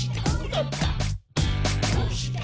「どうして？